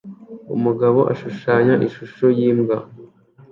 Umugabo ashushanya ishusho yimbwa